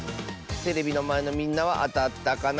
テレビのまえのみんなはあたったかな？